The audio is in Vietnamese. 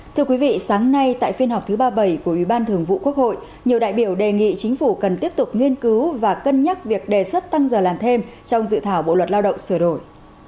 thưa quý vị sáng nay tại phiên họp thứ ba mươi bảy của ủy ban thường vụ quốc hội nhiều đại biểu đề nghị chính phủ cần tiếp tục nghiên cứu và cân nhắc việc đề xuất tăng giờ làm thêm trong dự thảo bộ luật lao động sửa đổi